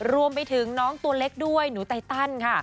รวมไปถึงน้องตัวเล็กด้วยหนูไตตันค่ะ